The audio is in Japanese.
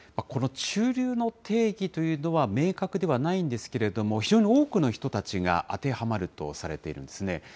この中流の定義というのは明確ではないんですけれども、非常に多くの人たちが当てはまるとされているんですね。